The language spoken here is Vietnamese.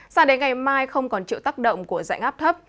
sao đến ngày mai không còn chịu tác động của dạnh áp thấp